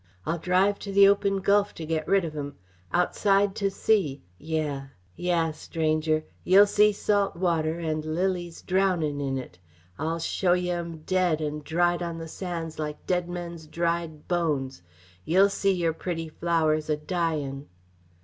"I'll drive to the open gulf to get rid of 'em! Outside, to sea! Yeh! Stranger, yeh'll see salt water, and lilies drownin' in it! I'll show yeh 'em dead and dried on the sands like dead men's dried bones! Yeh'll see yer pretty flowers a dyin'!"